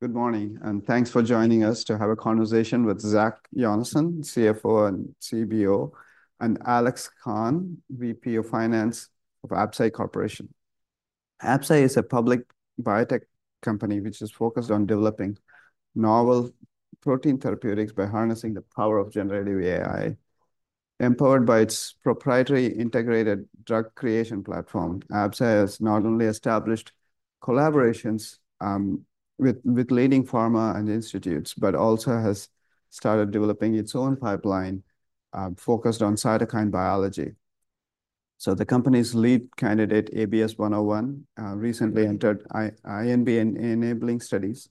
Good morning, and thanks for joining us to have a conversation with Zach Jonasson, CFO and CBO, and Alex Khan, VP of Finance of Absci Corporation. Absci is a public biotech company which is focused on developing novel protein therapeutics by harnessing the power of generative AI. Empowered by its proprietary Integrated Drug Creation platform, Absci has not only established collaborations with leading pharma and institutes, but also has started developing its own pipeline focused on cytokine biology. So the company's lead candidate, ABS-101, recently entered IND-enabling studies,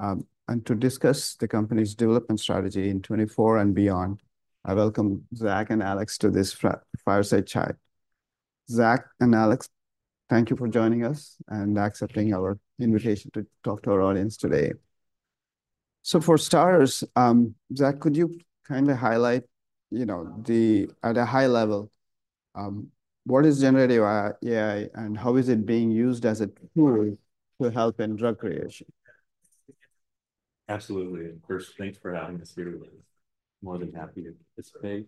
and to discuss the company's development strategy in 2024 and beyond, I welcome Zach and Alex to this Fireside Chat. Zach and Alex, thank you for joining us and accepting our invitation to talk to our audience today. So for starters, Zach, could you kind of highlight, you know, at a high level, what is generative AI, AI, and how is it being used as a tool to help in drug creation? Absolutely, and first, thanks for having us here. We're more than happy to participate.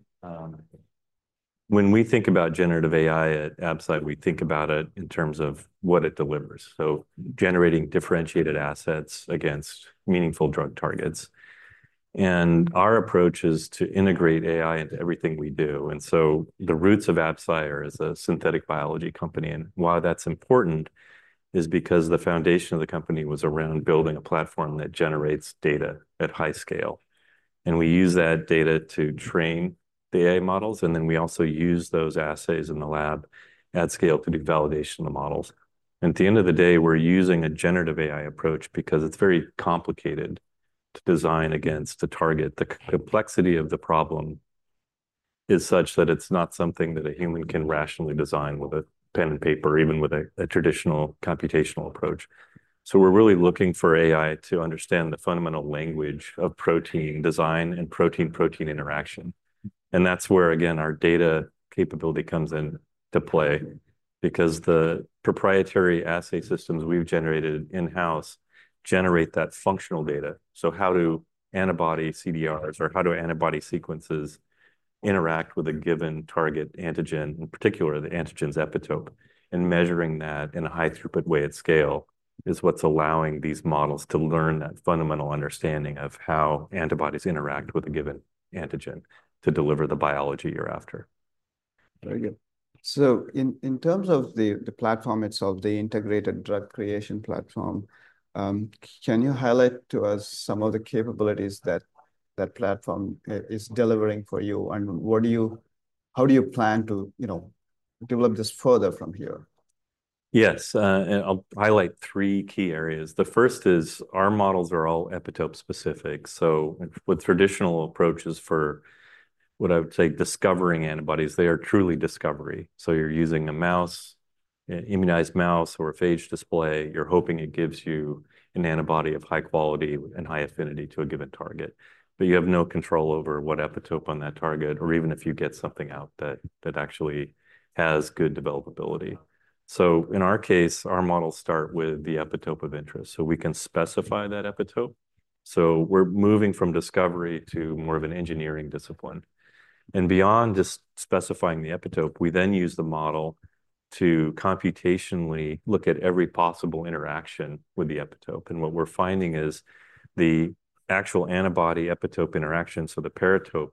When we think about generative AI at Absci, we think about it in terms of what it delivers, so generating differentiated assets against meaningful drug targets. And our approach is to integrate AI into everything we do, and so the roots of Absci are as a synthetic biology company, and why that's important is because the foundation of the company was around building a platform that generates data at high scale. And we use that data to train the AI models, and then we also use those assays in the lab at scale to do validation of the models. At the end of the day, we're using a generative AI approach because it's very complicated to design against a target. The complexity of the problem is such that it's not something that a human can rationally design with a pen and paper, even with a traditional computational approach. So we're really looking for AI to understand the fundamental language of protein design and protein-protein interaction. And that's where, again, our data capability comes into play because the proprietary assay systems we've generated in-house generate that functional data. So how do antibody CDRs, or how do antibody sequences interact with a given target antigen, in particular, the antigen's epitope? And measuring that in a high-throughput way at scale is what's allowing these models to learn that fundamental understanding of how antibodies interact with a given antigen to deliver the biology you're after. Very good. So in terms of the platform itself, the Integrated Drug Creation platform, can you highlight to us some of the capabilities that platform is delivering for you? And how do you plan to, you know, develop this further from here? Yes, and I'll highlight three key areas. The first is our models are all epitope-specific, so with traditional approaches for, what I would say, discovering antibodies, they are truly discovery. So you're using a mouse, an immunized mouse or a phage display. You're hoping it gives you an antibody of high quality and high affinity to a given target, but you have no control over what epitope on that target, or even if you get something out that actually has good developability. So in our case, our models start with the epitope of interest, so we can specify that epitope. So we're moving from discovery to more of an engineering discipline. And beyond just specifying the epitope, we then use the model to computationally look at every possible interaction with the epitope, and what we're finding is the actual antibody-epitope interaction, so the paratope,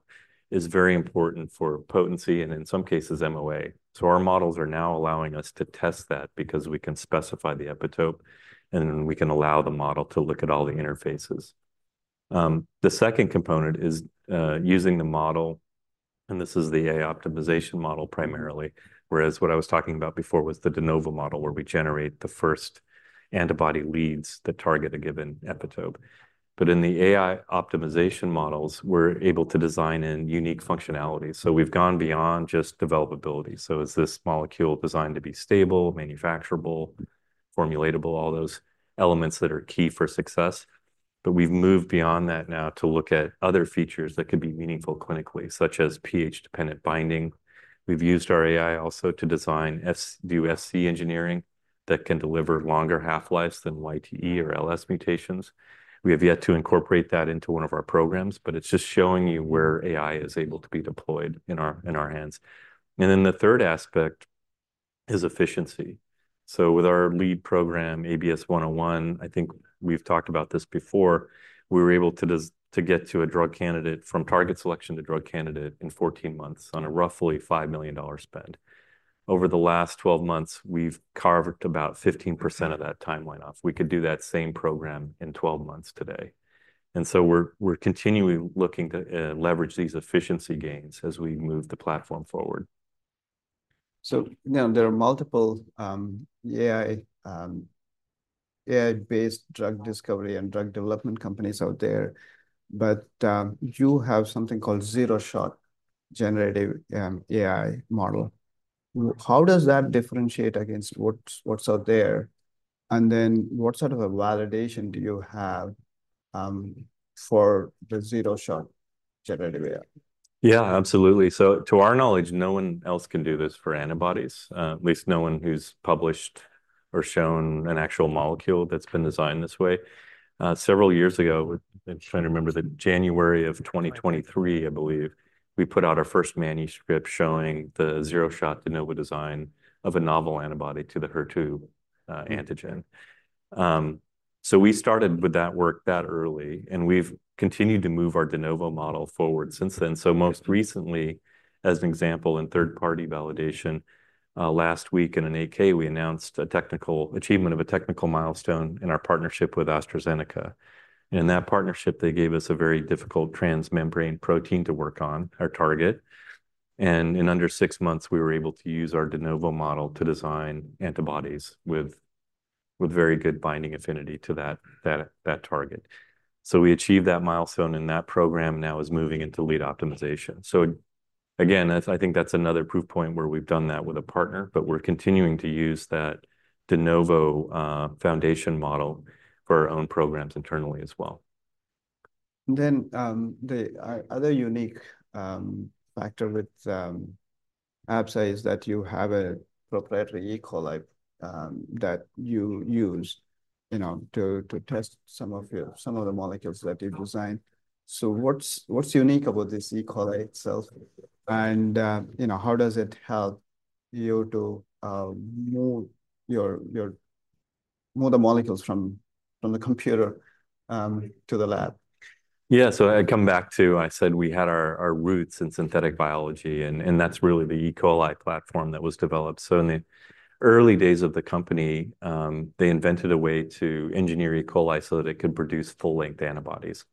is very important for potency and, in some cases, MOA. So our models are now allowing us to test that because we can specify the epitope, and we can allow the model to look at all the interfaces. The second component is using the model, and this is the AI optimization model primarily, whereas what I was talking about before was the de novo model, where we generate the first antibody leads that target a given epitope. But in the AI optimization models, we're able to design in unique functionalities, so we've gone beyond just developability. So is this molecule designed to be stable, manufacturable, formulatable, all those elements that are key for success? But we've moved beyond that now to look at other features that could be meaningful clinically, such as pH-dependent binding. We've used our AI also to design Fc engineering that can deliver longer half-lives than YTE or LS mutations. We have yet to incorporate that into one of our programs, but it's just showing you where AI is able to be deployed in our, in our hands. And then the third aspect is efficiency. So with our lead program, ABS-101, I think we've talked about this before, we were able to just to get to a drug candidate, from target selection to drug candidate, in 14 months on a roughly $5 million spend. Over the last 12 months, we've carved about 15% of that timeline off. We could do that same program in twelve months today, and so we're continuing looking to leverage these efficiency gains as we move the platform forward. So now there are multiple AI-based drug discovery and drug development companies out there, but you have something called zero-shot generative AI model. How does that differentiate against what's out there? And then what sort of a validation do you have for the zero-shot generative AI? Yeah, absolutely. So to our knowledge, no one else can do this for antibodies, at least no one who's published or shown an actual molecule that's been designed this way. Several years ago, I'm trying to remember, the January of 2023, I believe, we put out our first manuscript showing the zero-shot de novo design of a novel antibody to the HER2 antigen. So we started with that work that early, and we've continued to move our de novo model forward since then. So most recently, as an example, in third-party validation, last week in an 8-K, we announced a technical achievement of a technical milestone in our partnership with AstraZeneca. And in that partnership, they gave us a very difficult transmembrane protein to work on, our target, and in under six months, we were able to use our de novo model to design antibodies with very good binding affinity to that target. So we achieved that milestone, and that program now is moving into lead optimization. So again, that's another proof point where we've done that with a partner, but we're continuing to use that de novo foundation model for our own programs internally as well. Then, the other unique factor with Absci is that you have a proprietary E. coli that you use, you know, to test some of the molecules that you've designed. So what's unique about this E. coli itself? And, you know, how does it help you to move your molecules from the computer to the lab? Yeah. So I come back to... I said we had our roots in synthetic biology, and that's really the E. coli platform that was developed. So in the early days of the company, they invented a way to engineer E. coli so that it could produce full-length antibodies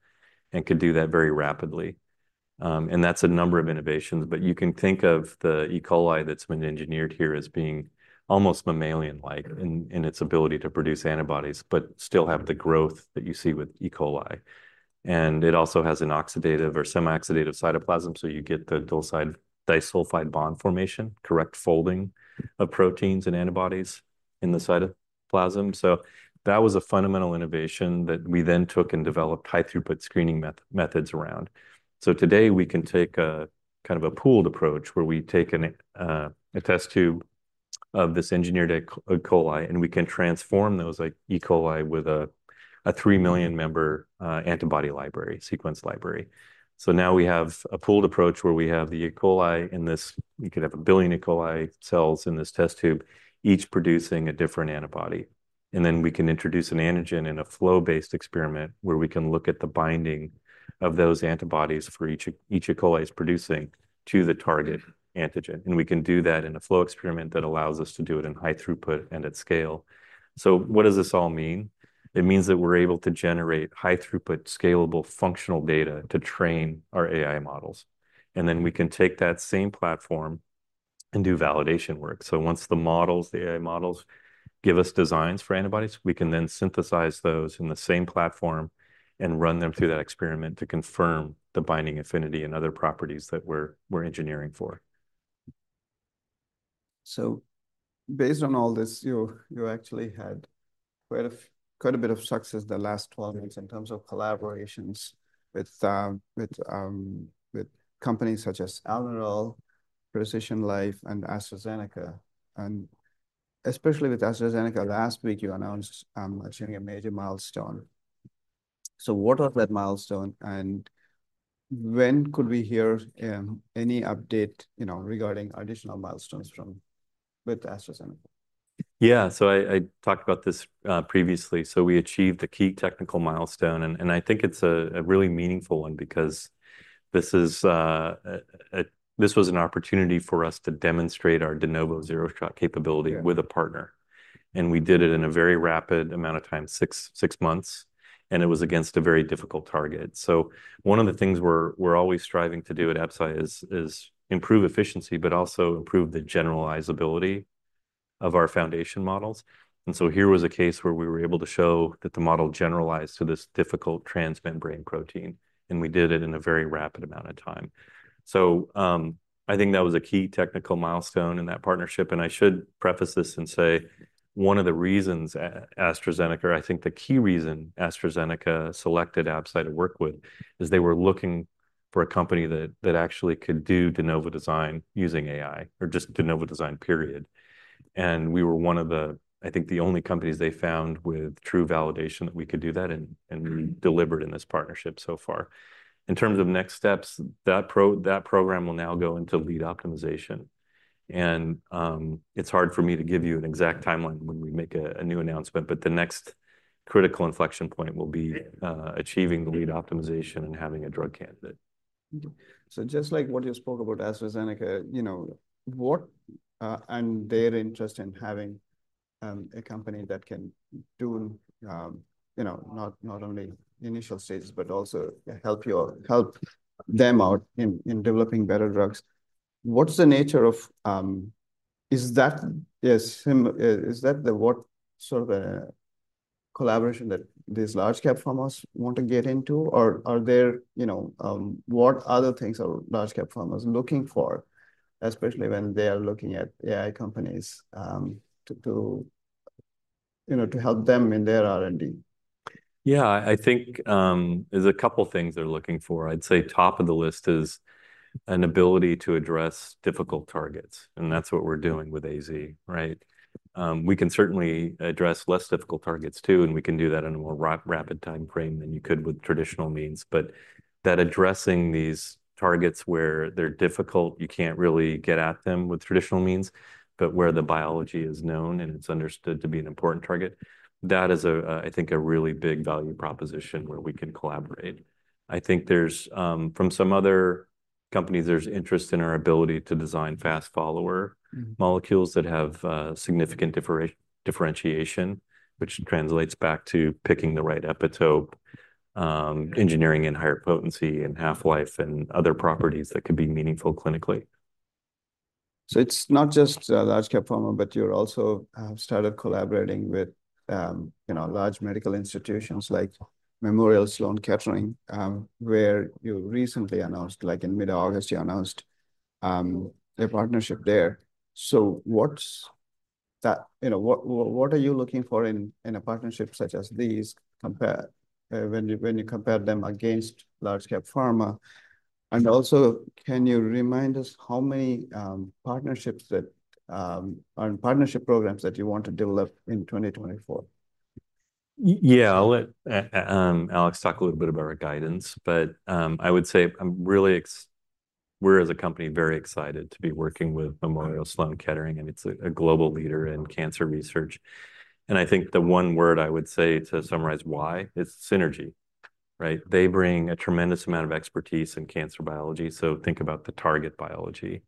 and could do that very rapidly. And that's a number of innovations, but you can think of the E. coli that's been engineered here as being almost mammalian-like in its ability to produce antibodies, but still have the growth that you see with E. coli. And it also has an oxidative or semi-oxidative cytoplasm, so you get the disulfide bond formation, correct folding of proteins and antibodies in the cytoplasm. So that was a fundamental innovation that we then took and developed high-throughput screening methods around. So today, we can take a kind of a pooled approach, where we take a test tube of this engineered E. coli, and we can transform those, like, E. coli with a three million member antibody library, sequence library. So now we have a pooled approach where we have the E. coli in this test tube. We could have a billion E. coli cells in this test tube, each producing a different antibody. And then we can introduce an antigen in a flow-based experiment, where we can look at the binding of those antibodies for each E. coli is producing to the target antigen. And we can do that in a flow experiment that allows us to do it in high throughput and at scale. So what does this all mean? It means that we're able to generate high-throughput, scalable, functional data to train our AI models, and then we can take that same platform and do validation work. So once the models, the AI models, give us designs for antibodies, we can then synthesize those in the same platform and run them through that experiment to confirm the binding affinity and other properties that we're engineering for. So based on all this, you actually had quite a bit of success the last twelve months in terms of collaborations with companies such as Almirall, PrecisionLife, and AstraZeneca. And especially with AstraZeneca, last week, you announced achieving a major milestone. So what was that milestone, and when could we hear any update, you know, regarding additional milestones from with AstraZeneca? Yeah. So I talked about this previously. So we achieved a key technical milestone, and I think it's a really meaningful one because this was an opportunity for us to demonstrate our de novo zero-shot capability. Yeah With a partner, and we did it in a very rapid amount of time, six, six months, and it was against a very difficult target. One of the things we're always striving to do at Absci is improve efficiency, but also improve the generalizability of our foundation models. Here was a case where we were able to show that the model generalized to this difficult transmembrane protein, and we did it in a very rapid amount of time. I think that was a key technical milestone in that partnership. I should preface this and say, one of the reasons AstraZeneca, I think the key reason AstraZeneca selected Absci to work with, is they were looking for a company that actually could do de novo design using AI or just de novo design, period. We were one of the, I think, the only companies they found with true validation that we could do that, and we delivered in this partnership so far. In terms of next steps, that program will now go into lead optimization. It's hard for me to give you an exact timeline when we make a new announcement, but the next critical inflection point will be- Yeah... achieving the lead optimization and having a drug candidate. So just like what you spoke about AstraZeneca, you know, and their interest in having a company that can do, you know, not only initial stages, but also help you or help them out in developing better drugs, what's the nature of... Is that a similar, is that the sort of a collaboration that these large cap pharmas want to get into, or are there, you know, what other things are large cap pharmas looking for, especially when they are looking at AI companies, you know, to help them in their R&D? Yeah, I think, there's a couple things they're looking for. I'd say top of the list is an ability to address difficult targets, and that's what we're doing with AZ, right? We can certainly address less difficult targets, too, and we can do that in a more rapid time frame than you could with traditional means. But that addressing these targets where they're difficult, you can't really get at them with traditional means, but where the biology is known, and it's understood to be an important target, that is a, I think, a really big value proposition where we can collaborate. I think there's, From some other companies, there's interest in our ability to design fast follower. Mm-hmm. Molecules that have significant differentiation, which translates back to picking the right epitope, engineering in higher potency and half-life and other properties that could be meaningful clinically. So it's not just large cap pharma, but you're also started collaborating with, you know, large medical institutions like Memorial Sloan Kettering, where you recently announced, like in mid-August, you announced a partnership there. So what's that. You know, what are you looking for in a partnership such as these compare when you compare them against large cap pharma? And also, can you remind us how many partnerships that or partnership programs that you want to develop in 2024? Yeah. I'll let Alex talk a little bit about our guidance, but I would say we're, as a company, very excited to be working with Memorial Sloan Kettering, and it's a global leader in cancer research. I think the one word I would say to summarize why is synergy, right? They bring a tremendous amount of expertise in cancer biology, so think about the target biology.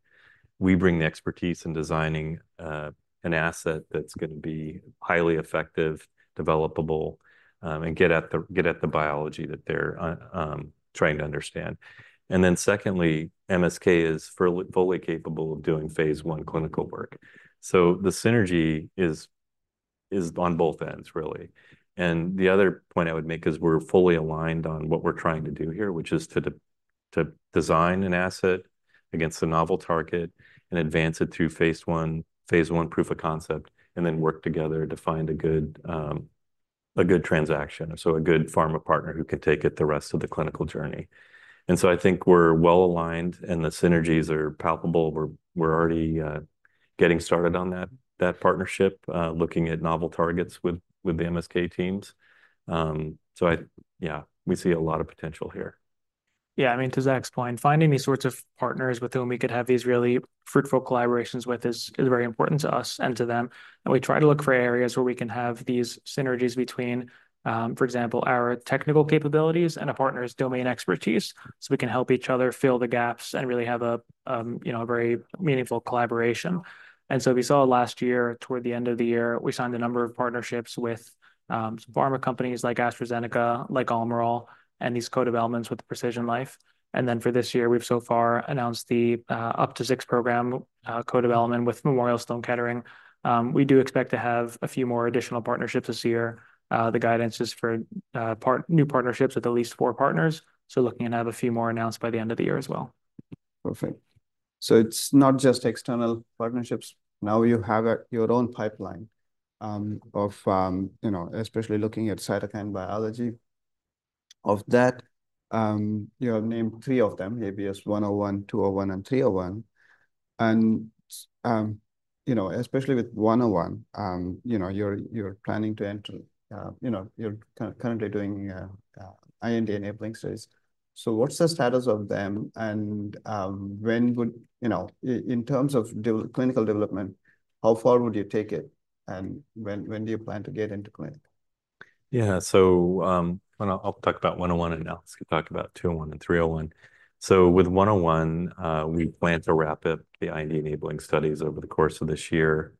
We bring the expertise in designing an asset that's going to be highly effective, developable, and get at the biology that they're trying to understand. Then secondly, MSK is fully capable of doing phase I clinical work, so the synergy is on both ends, really. And the other point I would make is we're fully aligned on what we're trying to do here, which is to design an asset against a novel target and advance it through phase I, phase I proof of concept, and then work together to find a good, a good transaction, so a good pharma partner who can take it the rest of the clinical journey. And so I think we're well aligned, and the synergies are palpable. We're already getting started on that partnership, looking at novel targets with the MSK teams. So I... Yeah, we see a lot of potential here. Yeah, I mean, to Zach's point, finding these sorts of partners with whom we could have these really fruitful collaborations with is very important to us and to them, and we try to look for areas where we can have these synergies between, for example, our technical capabilities and a partner's domain expertise, so we can help each other fill the gaps and really have a, you know, a very meaningful collaboration. And so we saw last year, toward the end of the year, we signed a number of partnerships with, some pharma companies like AstraZeneca, like Almirall, and these co-developments with PrecisionLife. And then for this year, we've so far announced the up to six program co-development with Memorial Sloan Kettering. We do expect to have a few more additional partnerships this year. The guidance is for new partnerships with at least four partners, so looking to have a few more announced by the end of the year as well. Perfect, so it's not just external partnerships. Now, you have your own pipeline, you know, especially looking at cytokine biology. Of that, you have named three of them, ABS-101, 201, and 301, you know, especially with 101, you know, you're planning to enter, you know, you're currently doing IND-enabling studies, so what's the status of them, and when would... You know, in terms of clinical development, how far would you take it, and when do you plan to get into clinic? Yeah. I'll talk about 101, and Alex can talk about 201 and 301. With 101, we plan to wrap up the IND-enabling studies over the course of this year,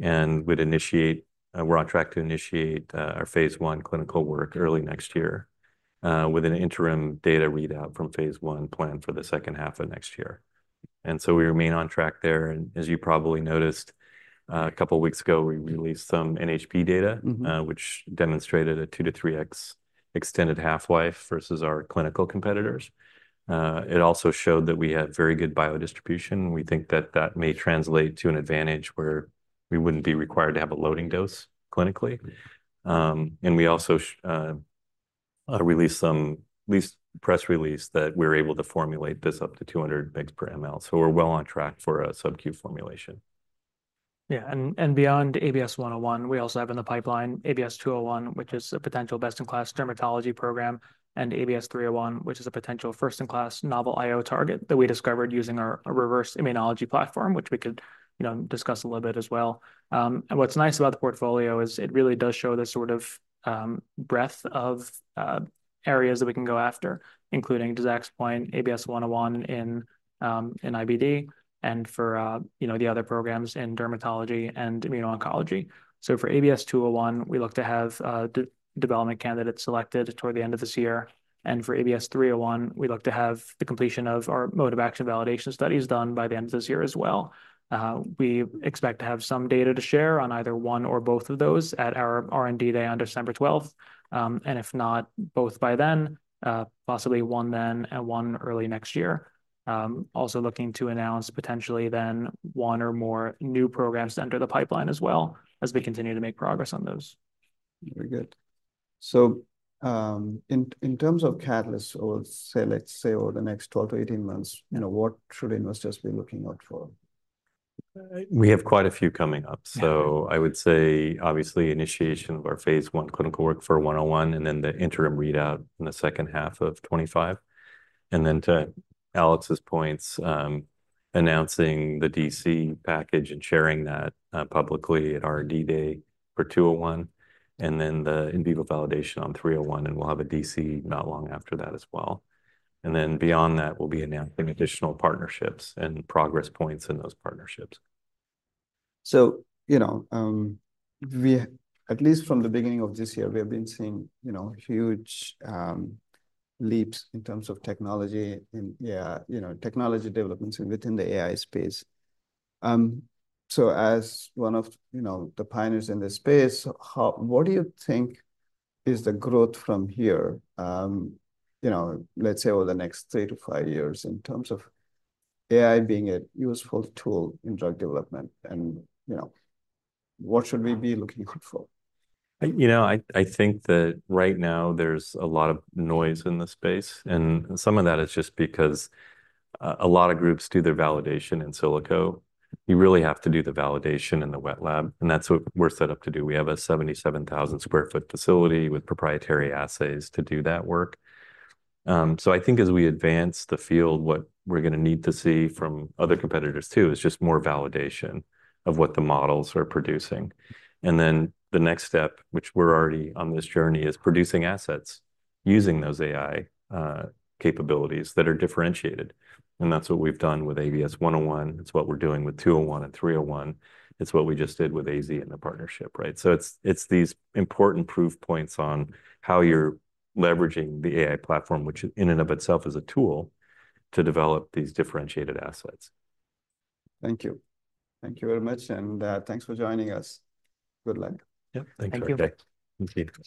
and we're on track to initiate our phase I clinical work early next year, with an interim data readout from phase I planned for the second half of next year. We remain on track there, and as you probably noticed, a couple of weeks ago, we released some NHP data. Mm-hmm. Which demonstrated a two to three X extended half-life versus our clinical competitors. It also showed that we had very good biodistribution. We think that that may translate to an advantage where we wouldn't be required to have a loading dose clinically. And we also released press release that we're able to formulate this up to 200 mg/mL, so we're well on track for a subQ formulation. Yeah, and beyond ABS-101, we also have in the pipeline ABS-201, which is a potential best-in-class dermatology program, and ABS-301, which is a potential first-in-class novel IO target that we discovered using our Reverse Immunology platform, which we could you know discuss a little bit as well. What's nice about the portfolio is it really does show the sort of breadth of areas that we can go after, including to Zach's point ABS-101 in IBD, and for you know the other programs in dermatology and immuno-oncology. So for ABS-201, we look to have development candidates selected toward the end of this year, and for ABS-301, we look to have the completion of our mechanism of action validation studies done by the end of this year as well. We expect to have some data to share on either one or both of those at our R&D Day on December twelfth, and if not both by then, possibly one then and one early next year. Also looking to announce potentially then one or more new programs to enter the pipeline as well, as we continue to make progress on those. Very good. So, in terms of catalysts or say, let's say, over the next 12-18 months, you know, what should investors be looking out for? We have quite a few coming up. So I would say, obviously, initiation of our phase I clinical work for ABS-101, and then the interim readout in the second half of 2025. And then to Alex's points, announcing the DC package and sharing that publicly at our R&D Day for ABS-201, and then the in vivo validation on ABS-301, and we'll have a DC not long after that as well. And then beyond that, we'll be announcing additional partnerships and progress points in those partnerships. So, you know, at least from the beginning of this year, we have been seeing, you know, huge leaps in terms of technology and, yeah, you know, technology developments within the AI space. So, as one of, you know, the pioneers in this space, what do you think is the growth from here, you know, let's say over the next three to five years, in terms of AI being a useful tool in drug development? And, you know, what should we be looking out for? You know, I think that right now there's a lot of noise in the space, and some of that is just because a lot of groups do their validation in silico. You really have to do the validation in the wet lab, and that's what we're set up to do. We have a 77,000 sq ft facility with proprietary assays to do that work. So I think as we advance the field, what we're going to need to see from other competitors, too, is just more validation of what the models are producing. And then the next step, which we're already on this journey, is producing assets using those AI capabilities that are differentiated, and that's what we've done with ABS-101. It's what we're doing with 201 and 301. It's what we just did with AZ in the partnership, right? So it's these important proof points on how you're leveraging the AI platform, which in and of itself is a tool to develop these differentiated assets. Thank you. Thank you very much, and, thanks for joining us. Good luck. Yep. Thanks, Vivek. Thank you. Thank you.